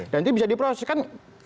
dan itu bisa diproseskan